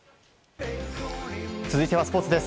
続いてはスポーツです。